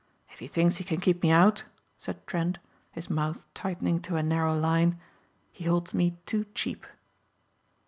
"If he thinks he can keep me out," said Trent his mouth tightening to a narrow line, "he holds me too cheap."